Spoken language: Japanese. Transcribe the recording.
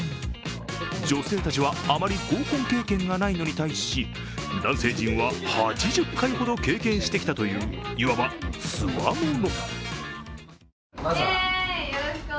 女性たちはあまり合コン経験がないのに対し、男性陣は８０回ほど経験してきたといういわばつわもの。